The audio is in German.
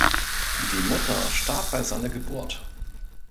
Die Mutter starb bei seiner Geburt.